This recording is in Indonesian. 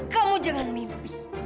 kamu jangan mimpi